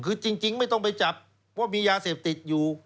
คือจริงไม่ต้องไปจับว่ามียาเสพติดอยู่